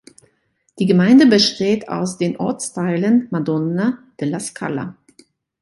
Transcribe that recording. Die Gemeinde besteht aus den Ortsteilen Madonna della Scala.